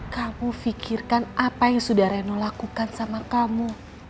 kamu fikirkan apa yang sudah reno lakukan sama kamu